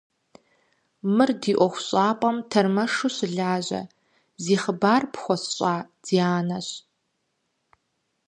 Мыр ди ӏуэхущӏапӏэм тэрмэшу щылажьэ, зи хъыбар пхуэсщӏа Дианэщ.